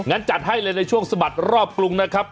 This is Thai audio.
งั้นจัดให้เลยในช่วงสะบัดรอบกรุงนะครับ